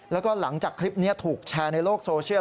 แล้วก็หลังจากคลิปนี้ถูกแชร์ในโลกโซเชียล